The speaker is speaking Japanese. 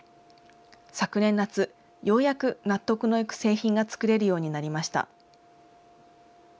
昨年夏、ようやく納得のいく製品が作れるようになりました。